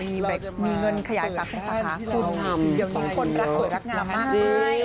เดี๋ยวนี้คนรักเกิดรักงามมาก